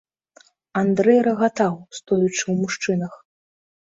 Андрэй рагатаў, стоячы ў мужчынах.